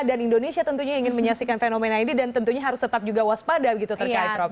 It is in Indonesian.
dan indonesia tentunya ingin menyaksikan fenomena ini dan tentunya harus tetap juga waspada gitu terkait rob